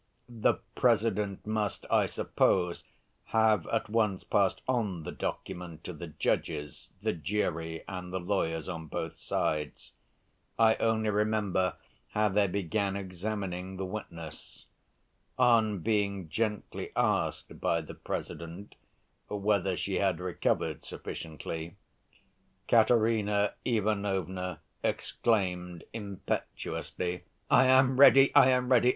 The President must, I suppose, have at once passed on the document to the judges, the jury, and the lawyers on both sides. I only remember how they began examining the witness. On being gently asked by the President whether she had recovered sufficiently, Katerina Ivanovna exclaimed impetuously: "I am ready, I am ready!